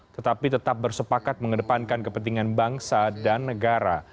tetapi tetap bersepakat mengedepankan kepentingan bangsa dan negara